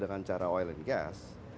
dengan cara oil and gas